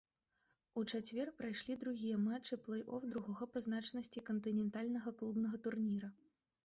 У чацвер прайшлі другія матчы плэй-оф другога па значнасці кантынентальнага клубнага турніра.